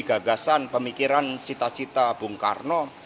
gagasan pemikiran cita cita bung karno